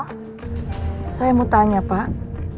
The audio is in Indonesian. apa bapak merencana untuk mencari bupanti